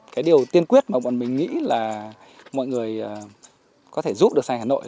cái điều tiên quyết mà bọn mình nghĩ là mọi người có thể giúp được xanh hà nội